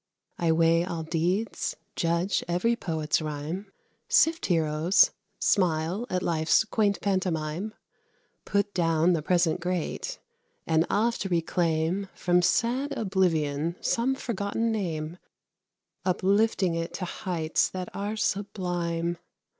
I weigh all deeds, judge every poet's rhyme, Sift heroes, smile at life's quaint pantomime, Put down the present great, and oft reclaim From sad oblivion some forgotten name, Uplifting it to heights that are sublime.